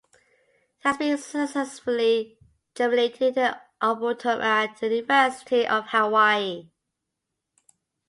It has been successfully germinated in an arboretum at the University of Hawaii.